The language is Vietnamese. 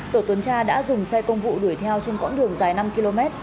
tổ tuần tra đã dùng xe công vụ đuổi theo trên quãng đường dài năm km